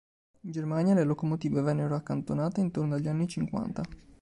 In Germania le locomotive vennero accantonate intorno agli anni cinquanta.